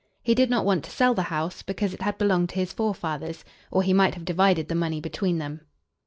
He did not want to sell the house, because it had belonged to his forefathers, or he might have divided the money between them.